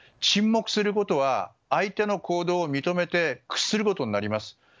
沈黙することは相手の行動を認めて屈することになります。